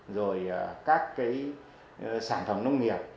rồi các sản phẩm nông nghiệp